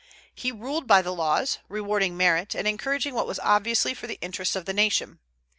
He ruled by the laws; rewarding merit, and encouraging what was obviously for the interests of the nation.